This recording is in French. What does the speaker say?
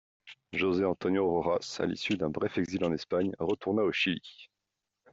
José Antonio Rojas, à l’issue d’un bref exil en Espagne, retourna au Chili.